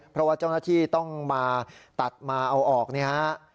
เพราะว่าเจ้าหน้าที่ต้องมาตัดมาเอาออกเนี่ยฮะ